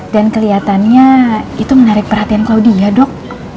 dan kelihatannya itu menarik perhatian claudia dok